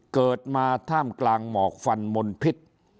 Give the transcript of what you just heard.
เกิดมาท่ามกลางหมอกฟันมนพิษ